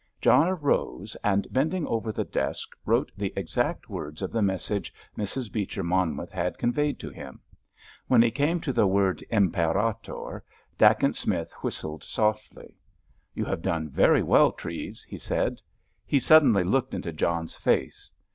John rose, and bending over the desk wrote the exact words of the message Mrs. Beecher Monmouth had conveyed to him. When he came to the word Imperator, Dacent Smith whistled softly. "You have done very well, Treves," he said. He suddenly looked into John's face.